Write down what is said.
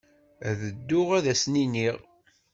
Ad dduɣ ad asen-iniɣ.